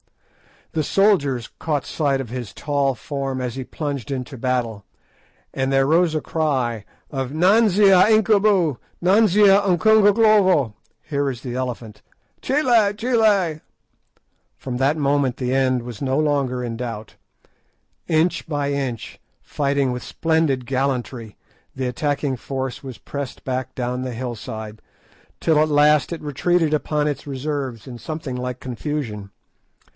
The soldiers caught sight of his tall form as he plunged into battle, and there rose a cry of— "Nanzia Incubu! Nanzia Unkungunklovo!" (Here is the Elephant!) "Chiele! Chiele!" From that moment the end was no longer in doubt. Inch by inch, fighting with splendid gallantry, the attacking force was pressed back down the hillside, till at last it retreated upon its reserves in something like confusion.